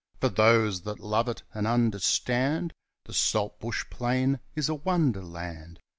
For those that love it and understand, The saltbush plain is a wonderland.